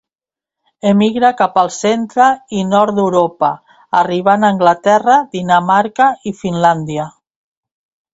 Emigra cap al centre i nord d'Europa arribant a Anglaterra, Dinamarca i Finlàndia.